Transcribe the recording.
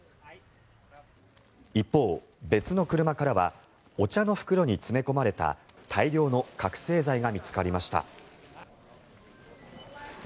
一方、別の車からはお茶の袋に詰め込まれた大量の覚醒剤が見つかりました。